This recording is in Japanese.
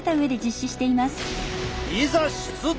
いざ出動！